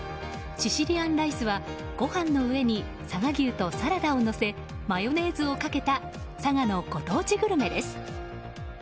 シシリアンライスはごはんの上に佐賀牛とサラダをのせマヨネーズをかけた佐賀のご当地グルメです。